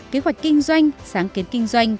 kế hoạch kinh doanh sáng kiến kinh doanh